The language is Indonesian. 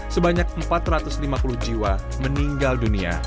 sebanyak empat ratus lima puluh jiwa meninggal dunia